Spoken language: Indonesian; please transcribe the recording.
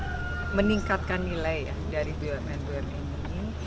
untuk bagaimana kita bisa meningkatkan nilai ya dari bumn bumn ini